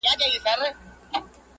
حمزه د خپل مهال ګڼ لیکني